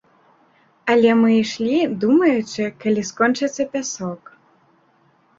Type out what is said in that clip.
Але мы ішлі, думаючы, калі скончыцца пясок.